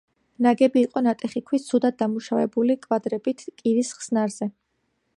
ნაგები იყო ნატეხი ქვის ცუდად დამუშავებული კვადრებით კირის ხსნარზე.